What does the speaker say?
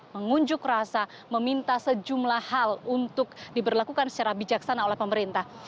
mengunjuk rasa meminta sejumlah hal untuk diberlakukan secara bijaksana oleh pemerintah